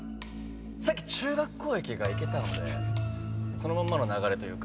さっき「中学校駅」がいけたのでそのまんまの流れというか。